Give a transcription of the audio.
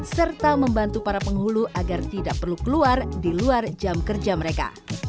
serta membantu para penghulu agar tidak perlu keluar di luar jam kerja mereka